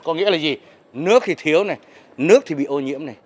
có nghĩa là gì nước thì thiếu này nước thì bị ô nhiễm này